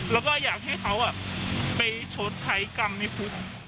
แล้วก็อยากให้เขาไปชดใช้กรรมในฟุต